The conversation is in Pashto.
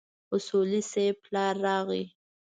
اصولي صیب پلار راغی.